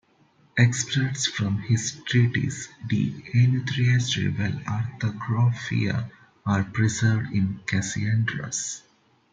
Excerpts from his treatise "De enuntiatione vel orthographia" are preserved in Cassiodorus.